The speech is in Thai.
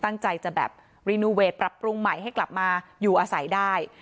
ตั้งใจจะแบบรีนูเวทปรับปรุงใหม่ให้กลับมาอยู่อาศัยได้